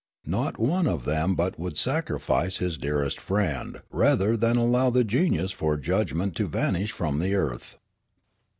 Not one of them but would sacrifice his dearest friend rather than allow the genius for judgment to vanish from the earth.